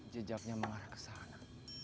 jejaknya mengarah ke sana